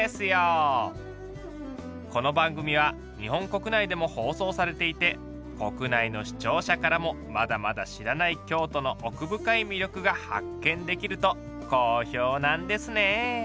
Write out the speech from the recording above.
この番組は日本国内でも放送されていて国内の視聴者からもまだまだ知らない京都の奥深い魅力が発見できると好評なんですね。